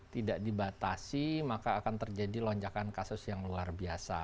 tidak dibatasi maka akan terjadi lonjakan kasus yang luar biasa